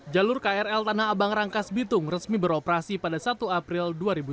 jalur krl tanah abang rangkas bitung resmi beroperasi pada satu april dua ribu tujuh belas